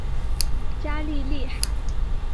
加利利海。